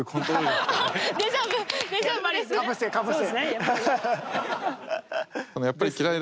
かぶせかぶせ。